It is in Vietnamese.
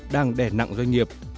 đang đẻ nặng doanh nghiệp